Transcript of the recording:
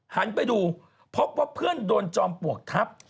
หันไปดูเพราะเพื่อนโดนจอมป่วงทัพ